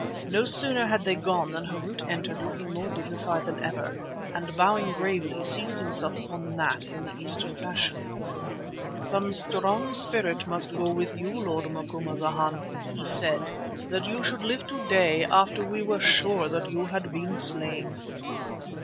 No sooner had they gone than Harût entered looking more dignified than ever and, bowing gravely, seated himself upon the mat in the Eastern fashion. "Some strong spirit must go with you, Lord Macumazana," he said, "that you should live today, after we were sure that you had been slain."